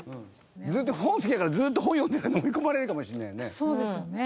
ずっと本好きだからずっと本読んでりゃのみ込まれるかもしれないよね。